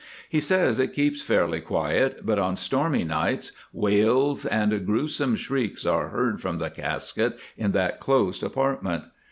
He says it keeps fairly quiet, but on stormy nights wails and gruesome shrieks are heard from the casket in that closed apartment.